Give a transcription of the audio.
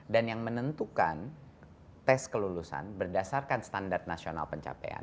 dan yang menentukan tes kelulusan berdasarkan standar nasional pencapaian